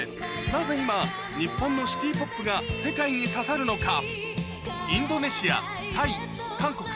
なぜ今日本のシティポップが世界に刺さるのか？